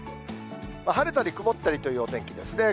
晴れたり曇ったりというお天気です。